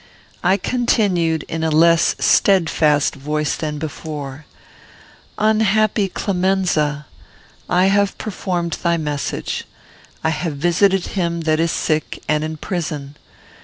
I continued, in a less steadfast voice than before: "Unhappy Clemenza! I have performed thy message. I have visited him that is sick and in prison.